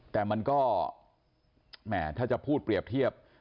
แต่มันก็แหมถ้าจะพูดเปรียบเทียบ